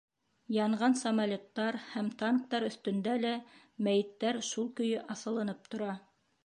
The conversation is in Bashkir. Янған самолеттар һәм танктар өҫтөндә лә мәйеттәр шул көйө аҫылынып тора.